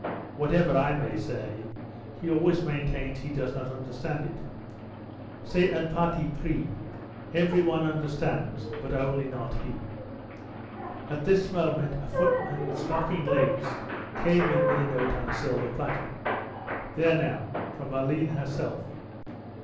Whatever I may say, he always maintains he does not understand it. C'est un parti pris, every one understands but only not he." At this moment a footman with stockinged legs came in with a note on a silver platter. "There now, from Aline herself.